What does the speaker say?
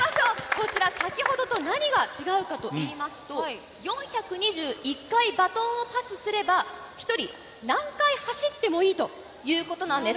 こちら、先ほどと何が違うかといいますと、４２１回バトンをパスすれば、１人何回走ってもいいということなんです。